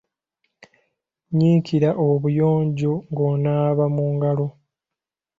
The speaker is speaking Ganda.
Nyiikirira obuyonjo ng’onaaba mu ngalo.